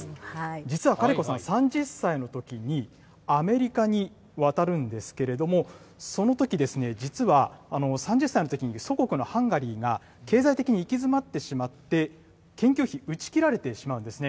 実はカリコさん、３０歳のときにアメリカに渡るんですけれども、そのとき、実は３０歳のときに祖国のハンガリーが経済的に行き詰ってしまって、研究費、打ち切られてしまうんですね。